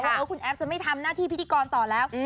ว่าคุณแอฟจะไม่ทำหน้าที่พิธีกรต่อแล้ว